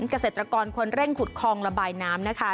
เกษตรกรควรเร่งขุดคลองระบายน้ำนะคะ